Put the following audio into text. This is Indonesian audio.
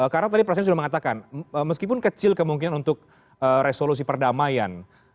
karena tadi presiden sudah mengatakan meskipun kecil kemungkinan untuk resolusi perdamaian